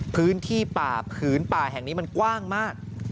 พื้นที่ป่าผืนป่าแห่งนี้มันกว้างมาก